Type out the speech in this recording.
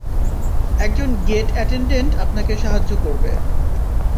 একজন gate attendant আপনাকে সাহায্য করবে।